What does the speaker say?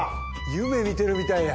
夢見てるみたいや。